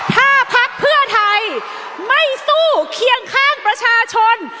ถ้าพักเพื่อไทยไม่สู้เคียงข้างประชาชน